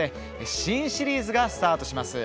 新シリーズがスタートします。